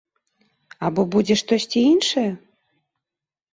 Або будзе штосьці іншае?